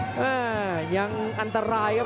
จริงครับ